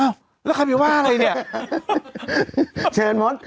อ้าวแล้วใครมีว่าอะไรเนี้ยเชนม้อน